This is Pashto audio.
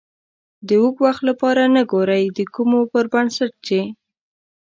د اوږد وخت لپاره نه ګورئ د کومو پر بنسټ چې